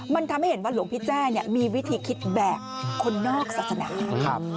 มันทำให้เห็นว่าหลวงพี่แจ้มีวิธีคิดแบบคนนอกศาสนา